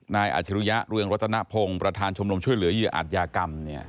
อาจรุยะเรืองรัตนพงศ์ประธานชมรมช่วยเหลือเหยื่ออาจยากรรม